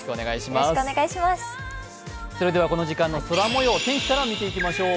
この時間の空模様、天気から見ていきましょう。